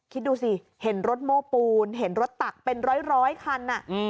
คิดดูสิเห็นรถโม้ปูนเห็นรถตักเป็นร้อยคัน